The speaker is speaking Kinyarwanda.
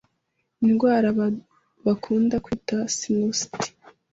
indwara bakunda kwita sinusite